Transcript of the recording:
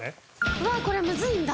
うわあこれむずいんだ。